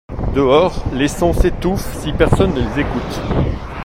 Dehors, les sons s’étouffent si personne ne les écoute.